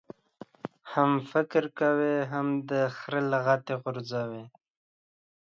هم فقر کوې ، هم دي خر لغتي غورځوي.